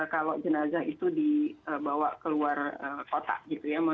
kalau jenazah itu dibawa keluar kota gitu ya